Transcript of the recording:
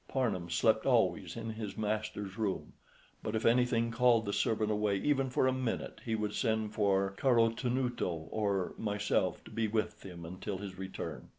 Parnham slept always in his master's room; but if anything called the servant away even for a minute, he would send for Carotenuto or myself to be with him until his return.